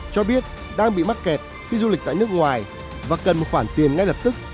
cho biết đang bị mắc kẹt khi du lịch tại nước ngoài và cần một khoản tiền ngay lập tức